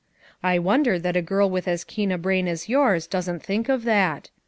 I wonder that a girl with as keen a brain as yours doesn't think of that.